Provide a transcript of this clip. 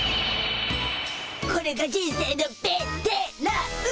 これが人生のベテラン！